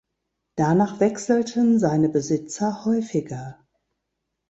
Danach wechselten seine Besitzer häufiger.